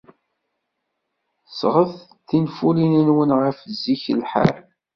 Sɣet-d tinfulin-nwen ɣef zik lḥal.